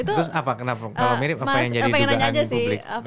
terus apa kenapa mirip apa yang jadi tugas agung publik